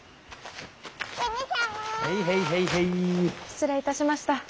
失礼いたしました。